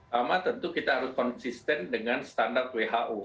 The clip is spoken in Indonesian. pertama tentu kita harus konsisten dengan standar who